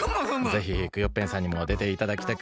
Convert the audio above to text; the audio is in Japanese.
ぜひクヨッペンさんにもでていただきたく。